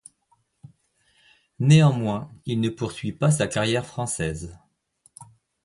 Néanmoins il ne poursuit pas sa carrière française.